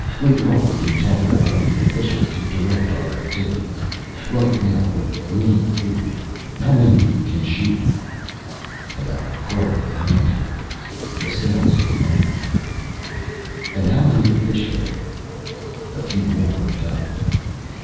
Later on we can talk about electing officials to direct our activities. Right now we need food. How many of you can shoot?" About a quarter of the hands were raised. Estelle's was among the number. "And how many are fishermen?" A few more went up.